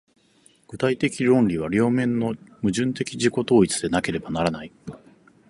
具体的論理は両面の矛盾的自己同一でなければならない。